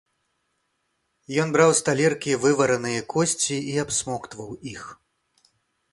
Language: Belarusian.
Ён браў з талеркі вывараныя косці і абсмоктваў іх.